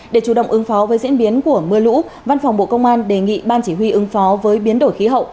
để chủ động ứng phó với diễn biến của mưa lũ văn phòng bộ công an đề nghị ban chỉ huy ứng phó với biến đổi khí hậu